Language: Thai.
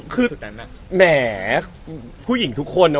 คือแหมผู้หญิงทุกคน